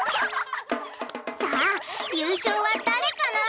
さあ優勝は誰かな？